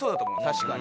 確かに。